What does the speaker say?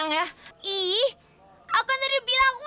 ih aku kan tadi bilang aku gak mau yang kecil kecil gitu maunya yang gede